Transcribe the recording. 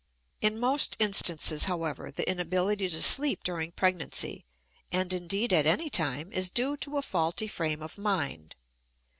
In most instances, however, the inability to sleep during pregnancy and indeed at any time is due to a faulty frame of mind.